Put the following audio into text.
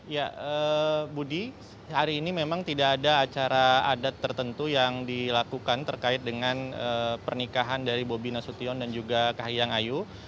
ya budi hari ini memang tidak ada acara adat tertentu yang dilakukan terkait dengan pernikahan dari bobi nasution dan juga kahiyang ayu